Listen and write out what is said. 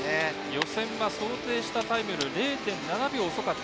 予選は想定したタイムより０．７秒遅かった。